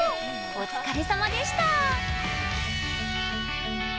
お疲れさまでした。